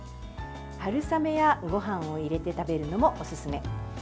春雨やごはんを入れて食べるのもおすすめ。